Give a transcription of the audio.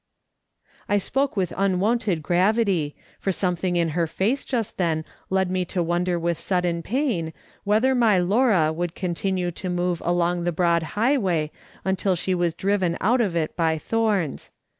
I spoke with unwonted gravity, for something in her face just then led me to wonder with sudden pain whether my Laura would continue to move along the broad highway until she was driven out of it by thorns.